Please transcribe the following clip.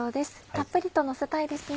たっぷりとのせたいですね。